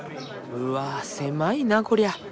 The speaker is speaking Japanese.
うわっ狭いなこりゃ。